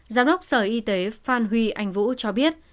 giám đốc sở y tế phan huy anh vũ cho biết